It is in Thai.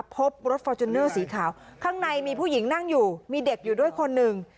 พบรถฟอร์จูเนอร์สีขาวข้างในมีผู้หญิงนั่งอยู่มีเด็กอยู่ด้วยคนหนึ่ง